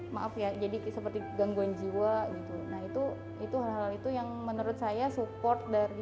maaf ya jadi seperti gangguan jiwa gitu nah itu itu hal hal itu yang menurut saya support dari